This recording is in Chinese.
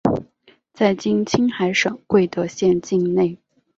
在今青海省贵德县境内。